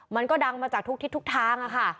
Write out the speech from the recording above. มันก็ดังมาจากทุกทิศทุกทางค่ะ